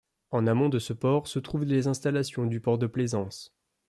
En amont de ce port, se trouvent les installations du port de plaisance.